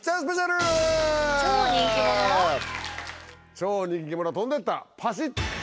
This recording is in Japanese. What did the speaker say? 超人気者飛んでったパシっ！